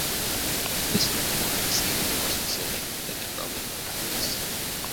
This new form was even more specific than the Roman practice.